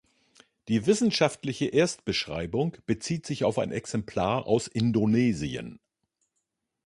Die wissenschaftliche Erstbeschreibung bezieht sich auf ein Exemplar aus „Indonesien“.